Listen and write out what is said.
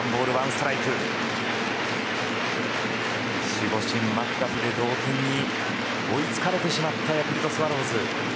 守護神マクガフで同点に追いつかれてしまったヤクルトスワローズ。